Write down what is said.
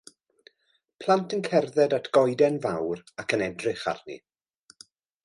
Plant yn cerdded at goeden fawr ac yn edrych arni.